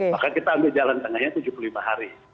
maka kita ambil jalan tengahnya tujuh puluh lima hari